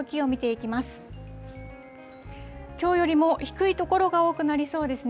きょうよりも低い所が多くなりそうですね。